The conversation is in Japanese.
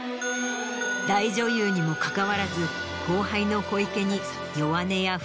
大女優にもかかわらず後輩の小池に。